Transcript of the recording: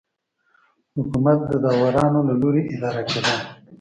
حکومت د داورانو له لوري اداره کېده.